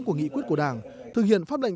của nghị quyết của đảng thực hiện pháp lệnh